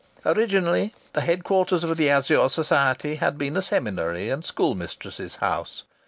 Originally, the headquarters of the Azure Society had been a seminary and schoolmistress's house.